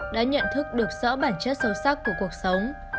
đã nhận thức được rõ bản chất sâu sắc của cuộc sống